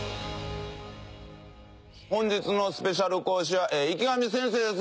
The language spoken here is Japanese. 本日のスペシャル講師は池上先生です。